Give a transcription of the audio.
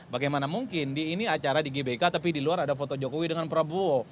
bagaimana mungkin di ini acara di gbk tapi di luar ada foto jokowi dengan prabowo